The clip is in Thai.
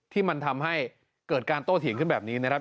ที่มันทำให้เกิดการโต้เถียงขึ้นแบบนี้นะครับ